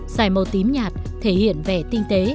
dài màu tím nhạt thể hiện vẻ tinh tế